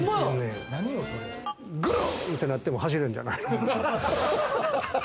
ぐるんってなっても走れるんじゃない。